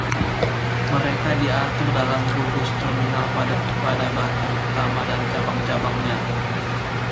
Mereka diatur dalam gugus terminal padat pada batang utama dan cabang-cabangnya.